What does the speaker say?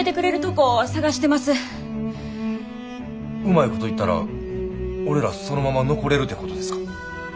うまいこといったら俺らそのまま残れるてことですか？